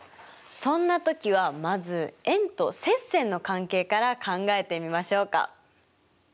そんな時はまず円と接線の関係から考えてみましょうか。